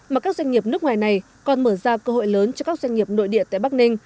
mà các doanh nghiệp nước ngoài này còn mở ra cơ hội lớn cho các doanh nghiệp nội địa tại bắc ninh